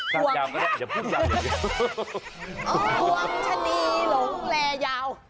ห่วงชะนีหลงแลยาว